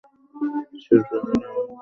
Supersize nugget net একদম ঠিক neat, neat.